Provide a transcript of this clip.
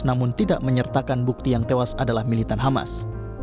namun tidak menyertakan bukti yang tewas adalah militan hamas